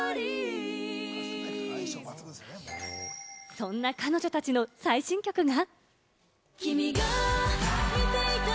そんな彼女たちの最新曲が。